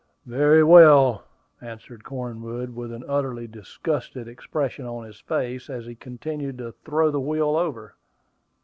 "Very well," answered Cornwood, with an utterly disgusted expression on his face, as he continued to throw the wheel over.